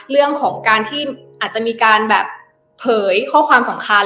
เรื่องของการที่อาจจะมีการแบบเผยข้อความสำคัญ